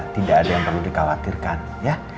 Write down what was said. tidak ada yang perlu dikhawatirkan ya